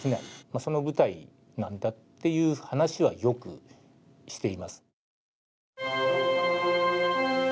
その部隊なんだという話はよくしています。